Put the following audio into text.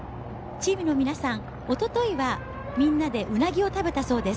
チームの皆さん、おとといはみんなでうなぎを食べたそうです。